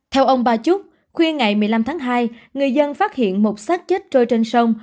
theo ông ba trúc khuya ngày một mươi năm tháng hai người dân phát hiện một sát chết trôi trên sông